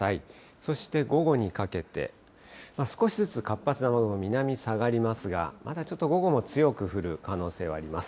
そして午後にかけて、少しずつ活発な雨雲、南に下がりますが、まだちょっと午後も強く降る可能性はあります。